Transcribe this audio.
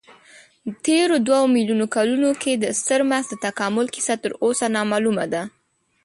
تېرو دوو میلیونو کلونو کې د ستر مغز د تکامل کیسه تراوسه نامعلومه ده.